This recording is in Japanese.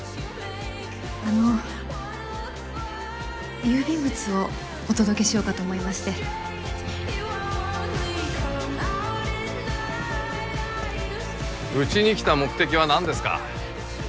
あの郵便物をお届けしようかと思いましてウチに来た目的は何ですか？